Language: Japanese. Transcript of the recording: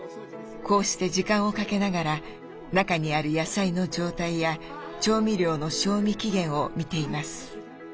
こうして時間をかけながら中にある野菜の状態や調味料の賞味期限を見ています。